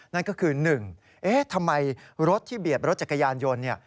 นั่นก็คือ๑เอ๊ะทำไมรถที่เบียดรถจักรยานยนต์เนี่ย